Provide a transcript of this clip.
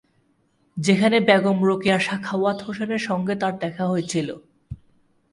সেখানে বেগম রোকেয়া সাখাওয়াত হোসেনের সঙ্গে তার দেখা হয়েছিলো।